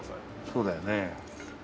そうだよね。